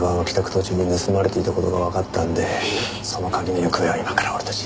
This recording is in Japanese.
途中に盗まれていた事がわかったんでその鍵の行方を今から俺たち。